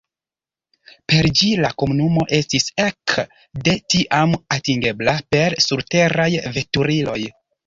Per ĝi la komunumo estis ek de tiam atingebla per surteraj veturiloj.